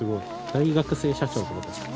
大学生社長って事ですか。